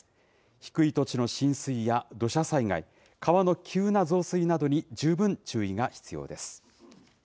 低い土地の浸水や、土砂災害、川の急な増水などに十分注意が必要です。